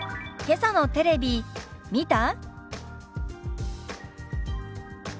「けさのテレビ見た？」。